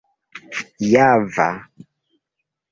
java